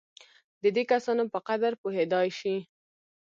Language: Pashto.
د دې کسانو په قدر پوهېدای شي.